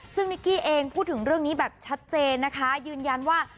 ซึ่งนิกกี้เองพูดถึงเรื่องนี้แบบชัดเจนนะคะยืนยันว่า